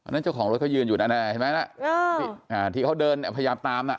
นั่นเจ้าของรถเขายืนอยู่นั่นแหละที่เขาเดินพยายามตาม